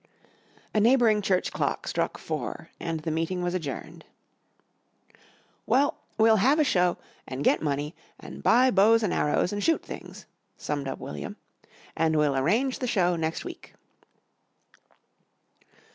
A neighbouring church clock struck four and the meeting was adjourned. "Well, we'll have a show an' get money and buy bows an' arrows an' shoot things," summed up William, "an we'll arrange the show next week."